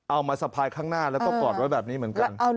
มาสะพายข้างหน้าแล้วก็กอดไว้แบบนี้เหมือนกัน